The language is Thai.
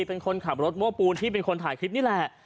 เป็นคนขับรถโม้ปูนที่เป็นคนถ่ายคลิปนี่แหละ